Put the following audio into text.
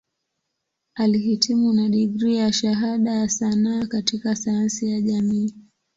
Alihitimu na digrii ya Shahada ya Sanaa katika Sayansi ya Jamii.